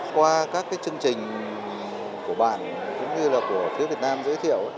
qua các chương trình của bạn cũng như là của phía việt nam giới thiệu